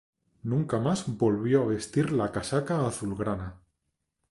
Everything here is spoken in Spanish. Nunca más volvió a vestir la casaca azulgrana.